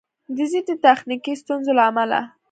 د ځیني تخنیکي ستونزو له امله